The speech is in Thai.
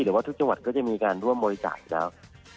หรือว่าทุกจังหวัดจะมีมีการร่วมบริสัยแล้ว